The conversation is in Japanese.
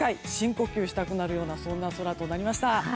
呼吸したくなるような空となりました。